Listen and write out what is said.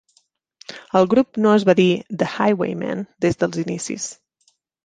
El grup no es va dir "The Highwaymen" des dels inicis.